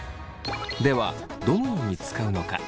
ではどのように使うのか。